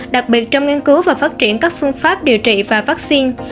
đặc biệt trong nghiên cứu và phát triển các phương pháp điều trị và vaccine